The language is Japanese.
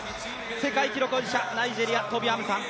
世界記録保持者ナイジェリア、トビ・アムサン。